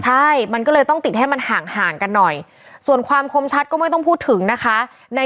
ใช่มันก็เลยต้องติดให้มันห่างกันหน่อยส่วนความคมชัดก็ไม่ต้องพูดถึงนะคะ